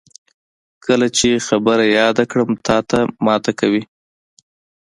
کله چې خبره یاده کړم، تاته ماته کوي.